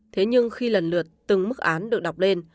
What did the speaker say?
thế nhưng khi lần lượt từng mức án được đọc lên